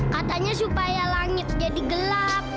katanya supaya langit jadi gelap